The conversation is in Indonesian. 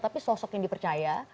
tapi sosok yang dipercaya